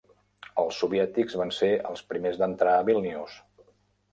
Els soviètics van ser els primers d'entrar a Vílnius.